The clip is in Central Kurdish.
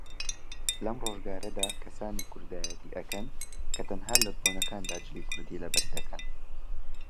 لەم ڕۆژگارەدا کەسانێک کوردایەتی ئەکەن کە تەنها لە بۆنەکاندا جلی کوردی لەبەردەکەن